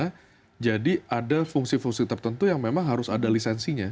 karena jadi ada fungsi fungsi tertentu yang memang harus ada lisensinya